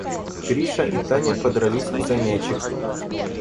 Гриша и Таня подрались за мячик.